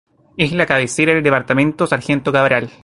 Es la cabecera del Departamento Sargento Cabral.